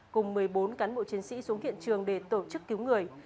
cùng một mươi bốn cán bộ chiến sĩ xuống hiện trường để tổ chức cứu người